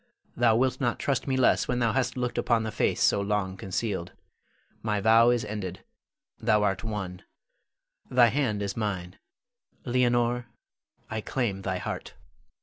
Thou wilt not trust me less when thou hast looked upon the face so long concealed. My vow is ended, thou art won. Thy hand is mine; Leonore, I claim thy heart.